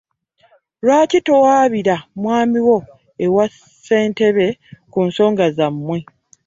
Lwaki towabira mwami wo ewa ssente be ku nsonga zammwe?